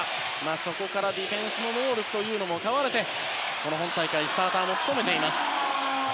そこからのディフェンスの能力も買われてこの本大会のスターターも務めています。